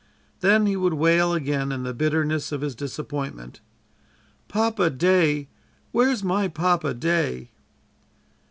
Then he would wail again in the bitterness of his disappointment: "Papa day, where's my Papa day?"